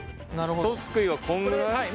ひとすくいはこんぐらい？